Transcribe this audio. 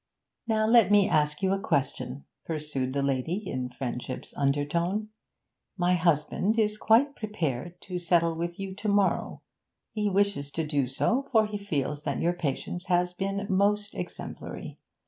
'Now let me ask you a question,' pursued the lady in friendship's undertone. 'My husband is quite prepared to settle with you to morrow. He wishes to do so, for he feels that your patience has been most exemplary.